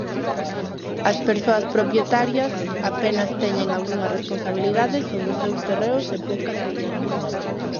As persoas propietarias apenas teñen algunha responsabilidade sobre os seus terreos e poucas obrigas.